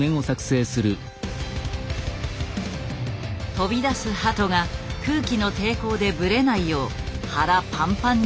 飛び出す鳩が空気の抵抗でブレないよう腹パンパンに鉄を埋め込む。